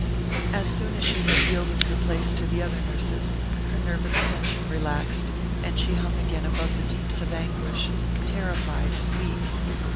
As soon as she had yielded her place to the other nurses her nervous tension relaxed, and she hung again above the deeps of anguish, terrified and weak.